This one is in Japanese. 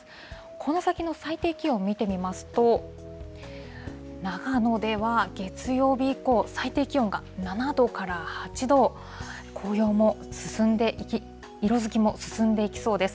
この先の最低気温見てみますと、長野では月曜日以降、最低気温が７度から８度、紅葉も進んで、色づきも進んでいきそうです。